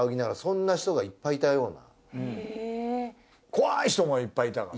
怖い人もいっぱいいたから。